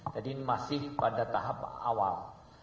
jadi masih pada tahap awal